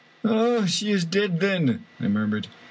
" She is dead, then !" I murmured.